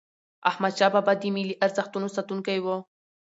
احمدشاه بابا د ملي ارزښتونو ساتونکی و.